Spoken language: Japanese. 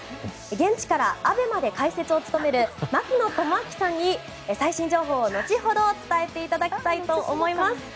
現地からＡＢＥＭＡで解説を務める槙野智章さんに最新情報を後ほど伝えていただきたいと思います。